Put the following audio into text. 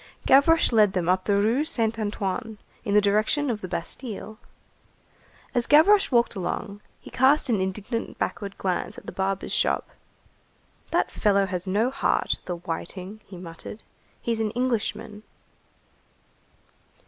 Gavroche led them up the Rue Saint Antoine in the direction of the Bastille. As Gavroche walked along, he cast an indignant backward glance at the barber's shop. "That fellow has no heart, the whiting,"35 he muttered. "He's an Englishman."